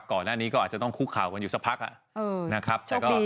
ก่อนหน้านี้ก็อาจจะต้องคุกข่าวกันอยู่สักพักนะครับ